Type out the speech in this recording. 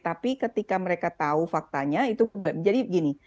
tapi ketika mereka tahu faktanya itu jadi begini